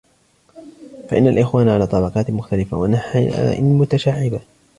فَإِنَّ الْإِخْوَانَ عَلَى طَبَقَاتٍ مُخْتَلِفَةٍ وَأَنْحَاءٍ مُتَشَعِّبَةٍ